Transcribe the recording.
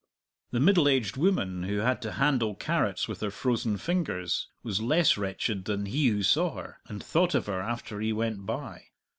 The middle aged woman, who had to handle carrots with her frozen fingers, was less wretched than he who saw her, and thought of her after he went by.